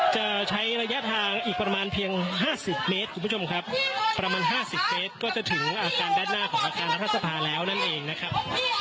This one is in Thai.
จะใช้ระยะทางอีกประมาณเพียง๕๐เมตรคุณผู้ชมครับประมาณ๕๐เมตรก็จะถึงอาการด้านหน้าของอาคารรัฐสภาแล้วนั่นเองนะครับ